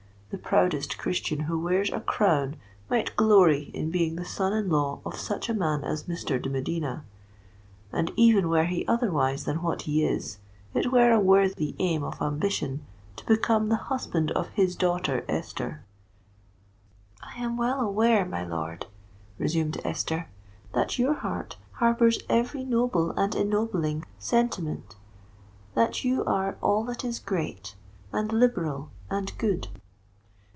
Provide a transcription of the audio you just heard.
The proudest Christian who wears a crown might glory in being the son in law of such a man as Mr. de Medina; and, even were he otherwise than what he is, it were a worthy aim of ambition to become the husband of his daughter Esther." "I am well aware, my lord," resumed Esther, "that your heart harbours every noble and ennobling sentiment—that you are all that is great, and liberal, and good.